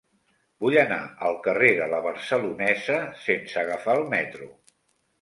Vull anar al carrer de La Barcelonesa sense agafar el metro.